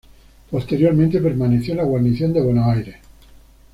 Posteriormente permaneció en la guarnición de Buenos Aires.